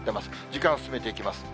時間進めていきます。